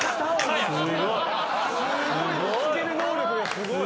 すごい！